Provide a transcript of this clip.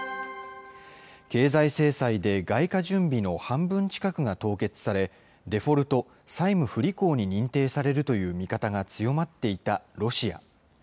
経済制裁で外貨準備の半分近くが凍結され、デフォルト・債務不履行に認定されるという見方が強まっていたロシア。